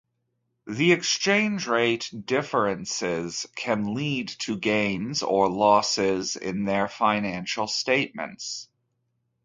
The exchange rate differences can lead to gains or losses in their financial statements.